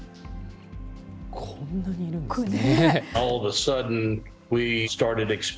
こんなにいるんですね。